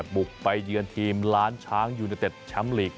บุกไปเยือนทีมล้านช้างยูเนเต็ดแชมป์ลีก